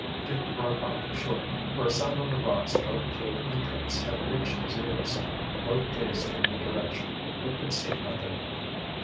Dick broke off short, for a sound on the rocks above the cave entrance had reached his ears. Both gazed in the direction, but could see nothing.